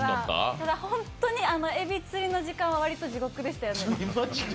ただ本当に、えび釣りの時間はわりと地獄でしたよね。